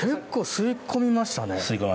吸い込みました。